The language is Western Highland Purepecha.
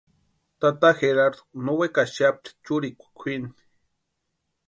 Tata Gerardu no wekaxapti churikwa kwʼini.